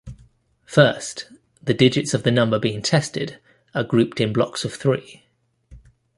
First, the digits of the number being tested are grouped in blocks of three.